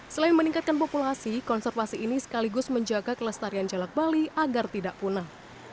selain meningkatkan populasi konservasi ini sekaligus menjaga kelestarian jelak bali agar tidak punah